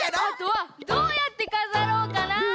あとはどうやってかざろうかな。